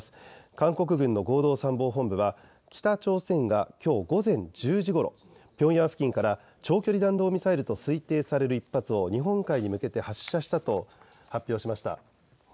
韓国軍の合同参謀本部は北朝鮮がきょう午前１０時ごろ、ピョンヤン付近から長期弾道ミサイルと推定される１発を日本海に向けて発射したと発表しました。